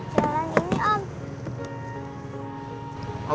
jalan ini om